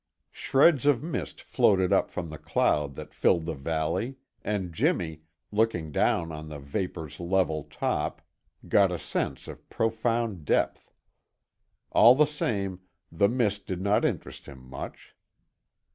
Shreds of mist floated up from the cloud that filled the valley, and Jimmy, looking down on the vapor's level top, got a sense of profound depth. All the same, the mist did not interest him much.